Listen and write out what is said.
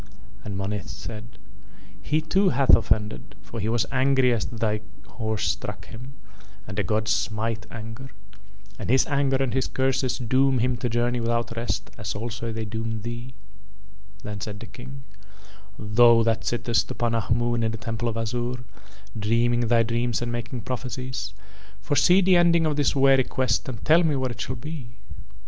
And Monith said: "He too hath offended, for he was angry as thy horse struck him, and the gods smite anger. And his anger and his curses doom him to journey without rest as also they doom thee." Then said the King: "Thou that sittest upon Ahmoon in the Temple of Azure, dreaming thy dreams and making prophecies, foresee the ending of this weary quest and tell me where it shall be?"